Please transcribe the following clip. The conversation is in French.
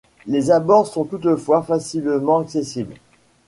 Les abords sont toutefois facilement accessibles.